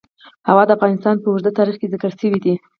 هوا د افغانستان په اوږده تاریخ کې ذکر شوی دی.